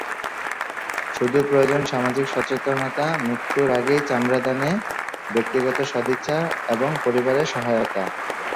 শুধু প্রয়োজন সামাজিক সচেতনতা, মৃত্যুর আগেই চামড়াদানে ব্যক্তিগত সদিচ্ছা এবং পরিবারের সহায়তা।